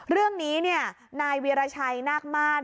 เรื่องนี้เนี่ยนายเวียรชัยนากมาก